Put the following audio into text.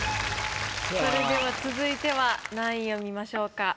それでは続いては何位を見ましょうか？